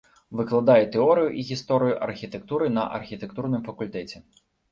Выкладае тэорыю і гісторыю архітэктуры на архітэктурным факультэце.